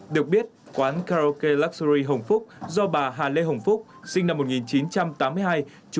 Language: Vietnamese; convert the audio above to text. được biết quán karaoke luxury hồng phúc do bà hà lê hồng phúc sinh năm một nghìn chín trăm tám mươi hai trú tại phường long bình tp biên hòa tỉnh đồng nai làm chủ